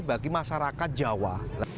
bagi masyarakat jawa